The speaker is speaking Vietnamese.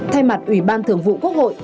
thay mặt ủy ban thưởng vụ quốc hội